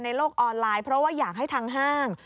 โลกออนไลน์เพราะว่าอยากให้ทางห้าง